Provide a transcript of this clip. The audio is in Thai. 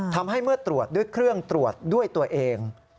ทำให้เมื่อตรวจด้วยเครื่องตรวจด้วยตัวเอง